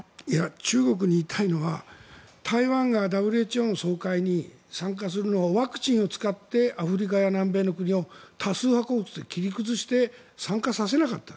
中国に言いたいのは台湾がＷＨＯの総会に参加するのは、ワクチンを使ってアフリカや南米の国を多数派工作で切り崩して参加させなかった。